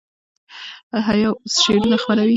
حیا اوس شعرونه خپروي.